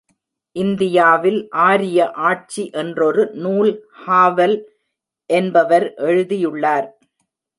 இந்தியாவில் ஆரிய ஆட்சி என்றொரு நூல் ஹாவல் என்பவர் எழுதியுள்ளார்.